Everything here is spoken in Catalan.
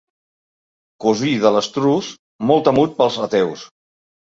Cosí de l'estruç molt temut pels ateus.